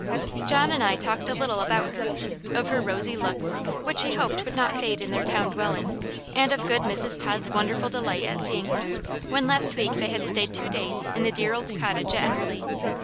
John and I talked a little about her of her rosy looks, which he hoped would not fade in their town dwelling and of good Mrs. Tod's wonderful delight at seeing her, when last week they had stayed two days in the dear old cottage at Enderley.